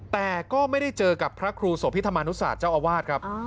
แต่ก็ไม่ได้เจอกับพระครูโสพิธรรมนุศาสตร์เจ้าอาวาสครับ